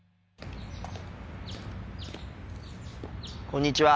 こんにちは。